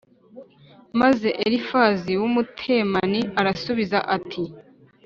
maze elifazi w’umutemani arasubiza ati